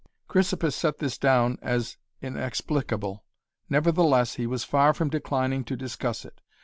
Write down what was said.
Chrysippus set this down as inexplicable. Nevertheless he was far from declining to discuss it.